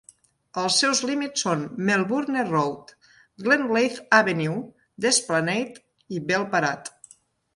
Els seus límits són Melbourne Road, Glenleith Avenue, The Esplanade i Bell Parade.